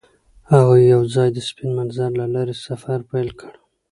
هغوی یوځای د سپین منظر له لارې سفر پیل کړ.